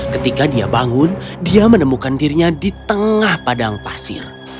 ketika dia bangun dia menemukan dirinya di tengah padang pasir